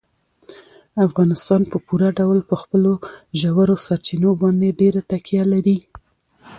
افغانستان په پوره ډول په خپلو ژورو سرچینو باندې ډېره تکیه لري.